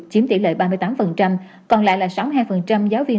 chiếm tỉ lệ ba mươi tám còn lại là sáu hai giáo viên